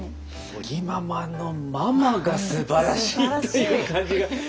尾木ママのママがすばらしいという感じが。